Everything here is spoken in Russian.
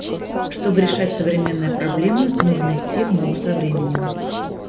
Чтобы решать современные проблемы, нужно идти в ногу со временем.